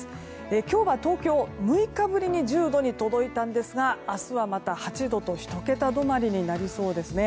今日は東京、６日ぶりに１０度に届いたんですが明日はまた８度と１桁止まりになりそうですね。